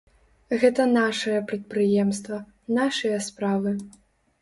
Гэта нашае прадпрыемства, нашыя справы.